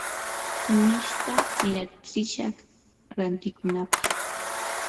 kunishta miratsishaq rantikunapaq.